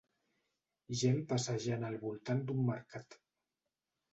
Gent passejant al voltant d'un mercat